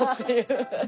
アハハハ。